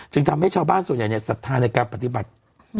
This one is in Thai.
ทำให้ชาวบ้านส่วนใหญ่ศรัทธาในการปฏิบัติ